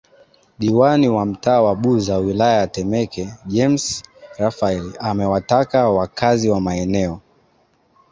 Diwani wa mtaa wa Buza wilaya ya Temeke James Rafael amewataka wakazi wa maeneo